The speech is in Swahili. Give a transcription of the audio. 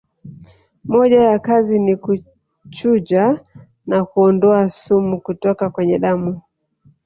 Moja ya kazi ni kuchuja na kuondoa sumu kutoka kwenye damu